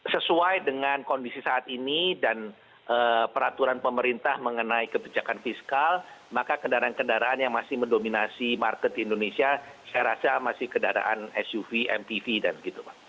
sesuai dengan kondisi saat ini dan peraturan pemerintah mengenai kebijakan fiskal maka kendaraan kendaraan yang masih mendominasi market di indonesia saya rasa masih kendaraan suv mtv dan begitu pak